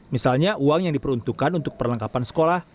misalnya uang yang diperuntukkan untuk perlengkapan sekolah